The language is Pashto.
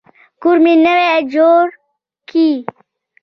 کور مي نوی جوړ کی.